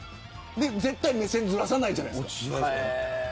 絶対、目線ずらさないじゃないですか。